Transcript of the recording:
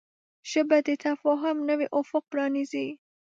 ژبه د تفاهم نوی افق پرانیزي